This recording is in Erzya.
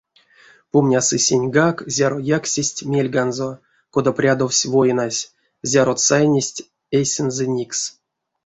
Помнясы сеньгак, зяро яксесть мельганзо, кода прядовсь войнась, зярот сайнесть эйсэнзэ никс.